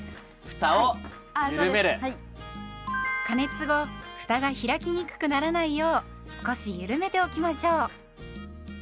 加熱後ふたが開きにくくならないよう少しゆるめておきましょう。